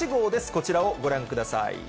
こちらをご覧ください。